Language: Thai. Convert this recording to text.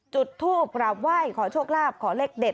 จุดทูปกราบไหว้ขอโชคลาภขอเลขเด็ด